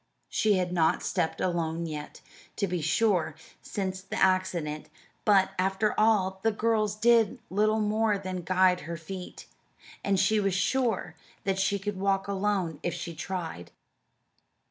She had not stepped alone yet, to be sure, since the accident, but, after all, the girls did little more than guide her feet, and she was sure that she could walk alone if she tried.